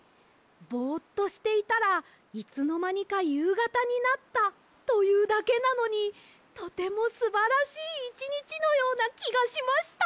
ぼっとしていたらいつのまにかゆうがたになったというだけなのにとてもすばらしいいちにちのようなきがしました！